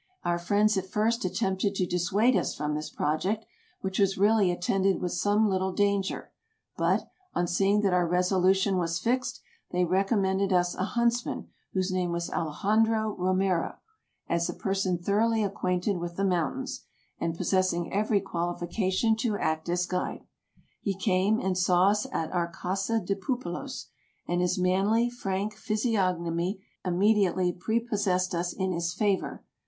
Our friends at first attempted to dissuade us from this project, which was really attended with some little danger, but, on seeing that our resolution was fixed, they recommended us a huntsman whose name was Alexandro Romero, as a per son thoroughly acquainted with the mountains, and pos sessing every qualification to act as guide. He came and saw us at our casa de pupilos, and his manly, frank physiog nomy immediately prepossessed us in his favor.